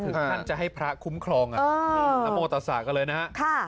ท่านจะให้พระคุ้มครองนโมตสากันเลยนะฮะ